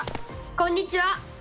こんにちは！